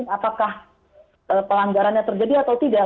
apakah pelanggarannya terjadi atau tidak